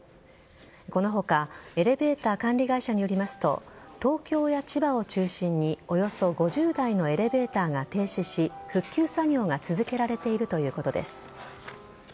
この他、エレベーター管理会社によりますと東京や千葉を中心におよそ５０台のエレベーターが停止し復旧作業が続けられているということです。